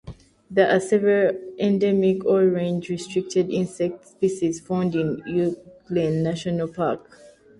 There are several endemic or range-restricted insect species found in Eungella National Park.